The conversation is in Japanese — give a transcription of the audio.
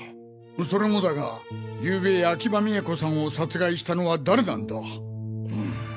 それもだがゆうべ秋葉都さんを殺害したのは誰なんだ？